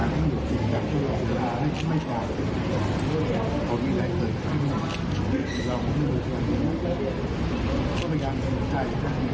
อันนี้ก็ควรบอกว่าแม่เขาจะรองให้ทุกรมการ